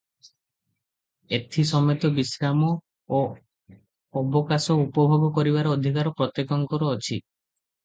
ଏଥି ସମେତ ବିଶ୍ରାମ ଓ ଅବକାଶ ଉପଭୋଗ କରିବାର ଅଧିକାର ପ୍ରତ୍ୟେକଙ୍କର ଅଛି ।